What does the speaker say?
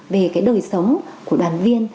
về cái đời sống của đoàn viên